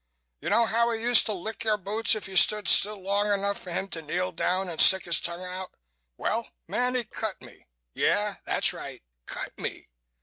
You know how he used to lick your boots if you stood still long enough for him to kneel down and stick his tongue out? Well, Manny cut me. Yeah, that's right. Cut me!